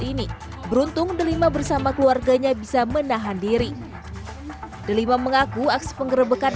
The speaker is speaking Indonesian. ini beruntung delima bersama keluarganya bisa menahan diri delima mengaku aksi penggerbekan